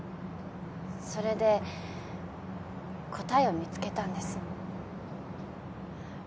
それで答えを見つけたんです。